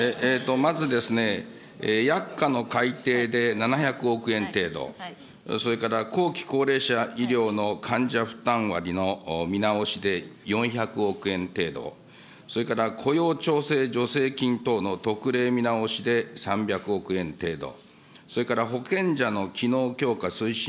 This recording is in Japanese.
まず薬価の改定で７００億円程度、後期高齢者医療の患者負担割の見直しで４００億円程度、それから雇用調整助成金等の特例見直しで３００億円程度、それから保険者の機能強化推進